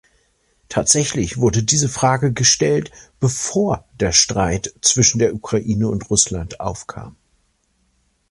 Tatsächlich wurde diese Frage gestellt, bevor der Streit zwischen der Ukraine und Russland aufkam.